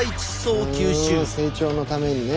成長のためにね。